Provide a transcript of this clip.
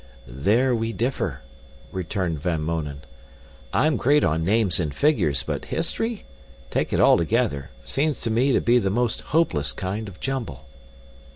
"There we differ," returned Van Mounen. "I'm great on names and figures, but history, take it altogether, seems to me to be the most hopeless kind of jumble."